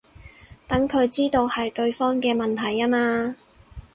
等佢知道係對方嘅問題吖嘛